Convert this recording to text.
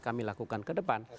kami lakukan kedepan